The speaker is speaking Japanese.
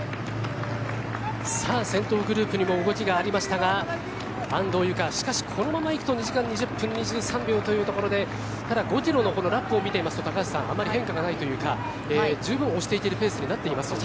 先頭グループにも動きがありましたが安藤友香しかしこのままいくと２時間２０分２３秒というところでただ、５キロのラップを見ていますと、高橋さんあまり変化がないというか十分押していけるペースになっていますよね。